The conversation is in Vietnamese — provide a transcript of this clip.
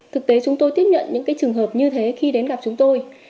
thực tế chúng tôi tiếp nhận những trường hợp như thế khi đến gặp chúng tôi